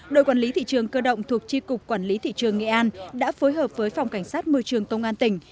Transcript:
đội quản lý thị trường cơ động thuộc tri cục quản lý thị trường nghệ an đã phối hợp với phòng cảnh sát môi trường công an tỉnh